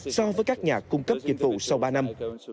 so với các nhà cung cấp dịch vụ sau ba năm